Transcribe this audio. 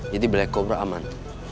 jadi black cobra aman